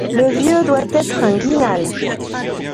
Le vieux doit être un guinal.